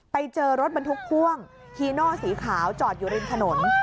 ไปเจอรถบรรทุกพ่วงฮีโน่สีขาวจอดอยู่ริมถนน